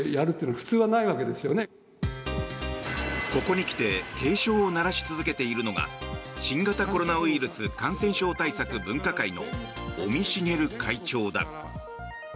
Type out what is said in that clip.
ここに来て警鐘を鳴らし続けているのが新型コロナウイルス感染症対策分科会の尾身茂会長だ。